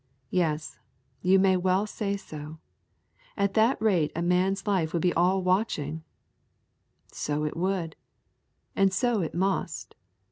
Yes, you may well say so. At that rate a man's life would be all watching. So it would. And so it must.